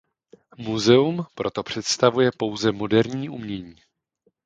Muzeum proto představuje pouze moderní umění.